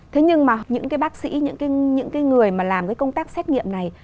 thế nhưng mà những cái bác sĩ những cái người mà làm cái công tác xét nghiệm này